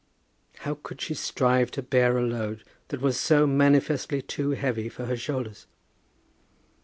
How could she strive to bear a load that was so manifestly too heavy for her shoulders?